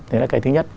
thế là cái thứ nhất